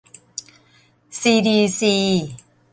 ซีดีซี